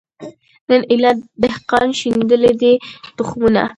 نن ایله دهقان شیندلي دي تخمونه